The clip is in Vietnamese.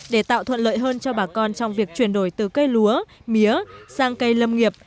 để tạo thuận lợi hơn cho bà con trong việc chuyển đổi từ cây lúa mía sang cây lâm nghiệp